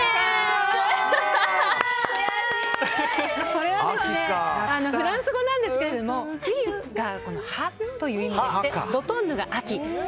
これはフランス語なんですけどフイユが葉という意味でしてドトンヌが秋。